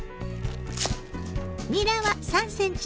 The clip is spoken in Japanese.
にらは３ｃｍ